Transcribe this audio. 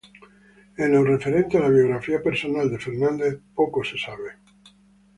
En lo referente a la biografía personal de Fernández, poco se conoce.